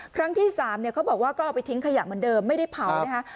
ครั้งที่๓เขาบอกว่าก็เอาไปทิ้งขยะเหมือนเดิมไม่ได้เผานะคะ